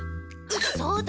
そうだ。